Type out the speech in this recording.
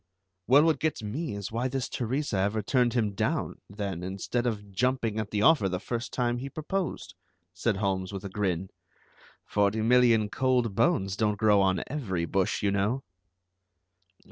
"Well, what gets me is why this Teresa ever turned him down, then, instead of jumping at the offer the first time he proposed," said Holmes, with a grin. "Forty million cold bones don't grow on every bush, you know."